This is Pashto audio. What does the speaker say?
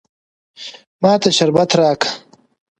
ما ته شربت راکه.